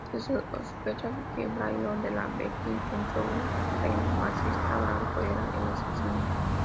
Se sospechaba que Byron De La Beckwith, un supremacista blanco, era el asesino.